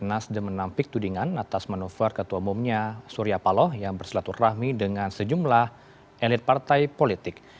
nasdem menampik tudingan atas manuver ketua umumnya surya paloh yang bersilaturahmi dengan sejumlah elit partai politik